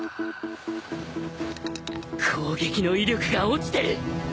攻撃の威力が落ちてる！